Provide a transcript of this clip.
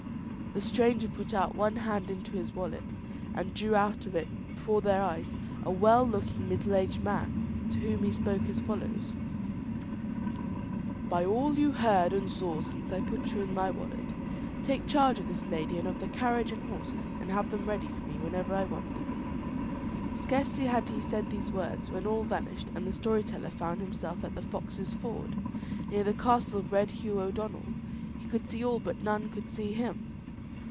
The stranger put one hand into his wallet and drew out of it before their eyes a well looking middle aged man, to whom he spoke as follows: "By all you heard and saw since I put you into my wallet, take charge of this lady and of the carriage and horses, and have them ready for me whenever I want them." Scarcely had he said these words when all vanished, and the story teller found himself at the Foxes' Ford, near the castle of Red Hugh O'Donnell. He could see all but none could see him.